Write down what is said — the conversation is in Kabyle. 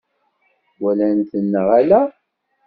Walan-ten neɣ ala?